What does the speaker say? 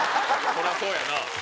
そりゃそうやな。